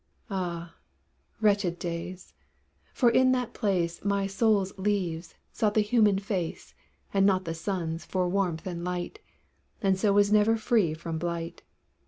Ah, wretched days: for in that place My soul's leaves sought the human face, And not the Sun's for warmth and light And so was never free from blight.